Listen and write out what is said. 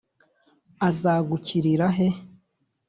azagukirira he’